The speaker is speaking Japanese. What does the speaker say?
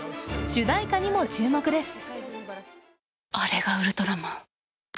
主題歌にも注目です。